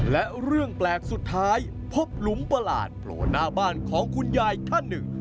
และเรื่องแปลกสุดท้ายพบหลุมประหลาดโผล่หน้าบ้านของคุณยายท่านหนึ่ง